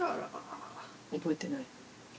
覚えてない？